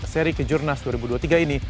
seri kejurnas dua ribu dua puluh tiga ini